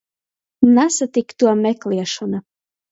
Nasatyktuo mekliešona.